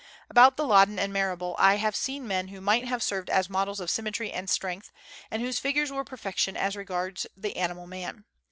About the Loddon and Marrable, I have seen men who might have served as models of symmetry and strength, and whose figures were perfection as regards the animal man.